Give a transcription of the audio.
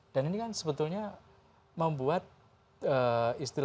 dan ini kan sebetulnya membuat istilahnya makanan dalam arti kata tempat hidup